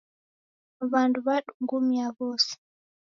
W'andu wadungumia w'ose.